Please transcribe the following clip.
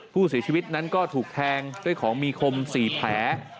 ผู้เสียชีวิตนั้นก็ถูกแทงด้วยของมีคม๔แผล